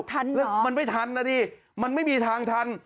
ทันแล้วมันไม่ทันนะดิมันไม่มีทางทัน